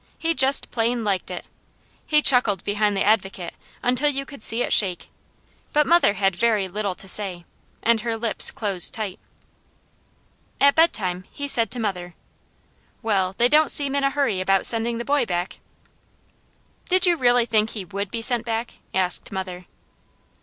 He just plain liked it! He chuckled behind the Advocate until you could see it shake; but mother had very little to say, and her lips closed tight. At bedtime he said to mother: "Well, they don't seem in a hurry about sending the boy back." "Did you really think he WOULD be sent back?" asked mother.